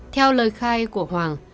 theo lời khai của hoàng